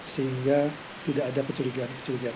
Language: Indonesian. sehingga tidak ada kecurigaan kecurigaan